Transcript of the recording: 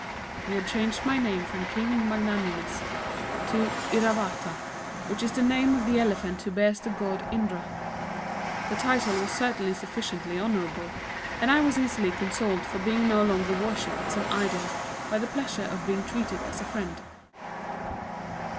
He had changed my name from "King Magnanimous" to "Iravata," which is the name of the elephant who bears the God Indra. The title was certainly sufficiently honourable, and I was easily consoled for being no longer worshipped as an idol by the pleasure of being treated as a friend.